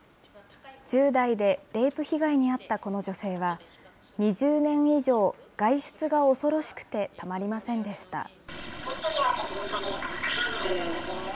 １０代でレイプ被害に遭ったこの女性は、２０年以上、外出が恐ろしくてたまりませんでした。